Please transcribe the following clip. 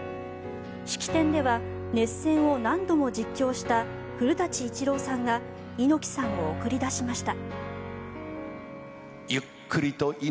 式典では熱戦を何度も実況した古舘伊知郎さんが猪木さんを送り出しました。